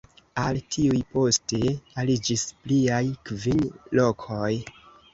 Al tiuj poste aliĝis pliaj kvin lokoj.